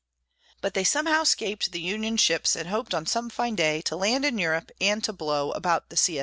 But they somehow 'scaped the Union ships, and hoped on some fine day To land in Europe and to "blow" about the C.